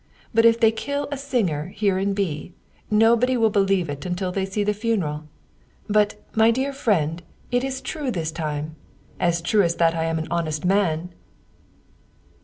But if they kill a singer here in B., nobody will believe it until they see the funeral. But, my dear friend, it is true this time, as true as that I am an honest man."